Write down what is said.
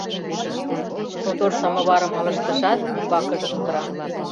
Содор самоварым ылыжтышат, умбакыже кутыра.